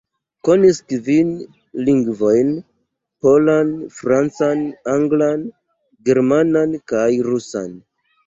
Konis kvin lingvojn: polan, francan, anglan, germanan kaj rusan.